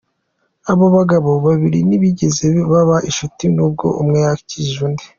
Aba bagabo babiri ntibigeze baba inshuti n’ubwo umwe yakijije undi.